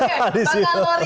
oke bakal lo lihat itu